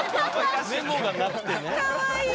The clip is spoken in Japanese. メモがなくてね。